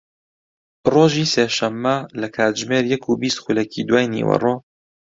ڕۆژی سێشەممە لە کاتژمێر یەک و بیست خولەکی دوای نیوەڕۆ